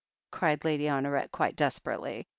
cried Lady Honoret quite desperately.